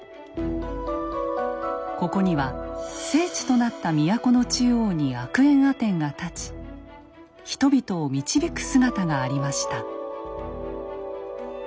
ここには聖地となった都の中央にアクエンアテンが立ち人々を導く姿がありました。